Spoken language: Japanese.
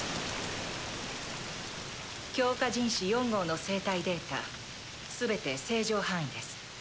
強化人士４号の生体データ全て正常範囲です。